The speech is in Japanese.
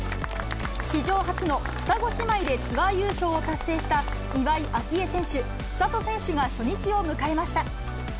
史上初の双子姉妹でツアー優勝を達成した、岩井明愛選手、千怜選手が初日を迎えました。